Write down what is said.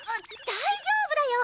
大丈夫だよ